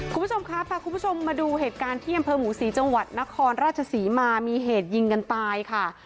คุณผู้ชมครับพาคุณผู้ชมมาดูเหตุการณ์ที่อำเภอหมูศรีจังหวัดนครราชศรีมามีเหตุยิงกันตายค่ะ